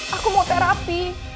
aku mau terapi